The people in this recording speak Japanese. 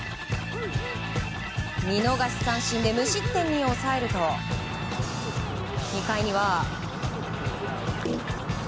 見逃し三振で無失点に抑えると２回には。